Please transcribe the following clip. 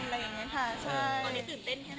ตอนนี้ตื่นเต้นแค่ไหนครับครู